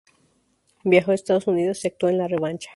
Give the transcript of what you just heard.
Viajó a Estados Unidos, y actúa en "La revancha".